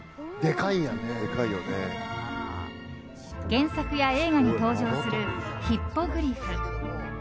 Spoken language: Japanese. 原作や映画に登場するヒッポグリフ